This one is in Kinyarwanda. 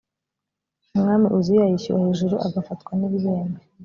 umwami uziya yishyira hejuru agafatwa n ibibembe